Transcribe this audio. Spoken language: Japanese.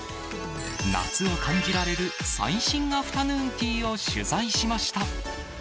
夏を感じられる最新アフタヌーンティーを取材しました。